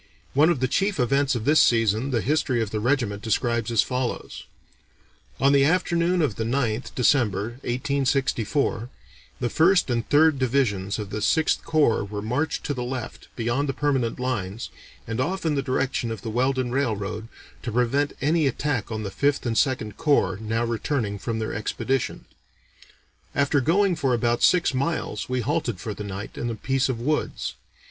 One of the chief events of this season the history of the regiment describes as follows: "On the afternoon of the 9th (December, 1864), the First and Third Divisions of the Sixth Corps were marched to the left, beyond the permanent lines, and off in the direction of the Weldon Railroad, to prevent any attack on the Fifth and Second Corps, now returning from their expedition. After going for about six miles we halted for the night, in a piece of woods.